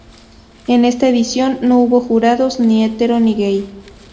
En esta edición no hubo jurados, ni hetero ni gay.